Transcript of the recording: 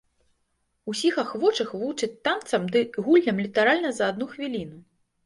Усіх ахвочых вучаць танцам ды гульням літаральна за адну хвіліну.